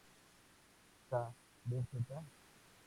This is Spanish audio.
Sa vz.